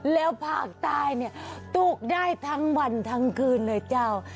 แล้วภาคใต้เนี่ยตกได้ทั้งวันทั้งคืนเลยเจ้า